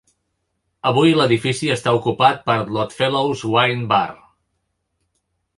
Avui l'edifici està ocupat per l'Oddfellows Wine Bar.